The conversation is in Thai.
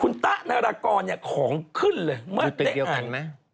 คุณตะนารากรของขึ้นเลยเมื่อเตะอัน